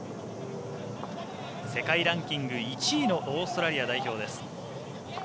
世界ランキング１位のオーストラリア代表です。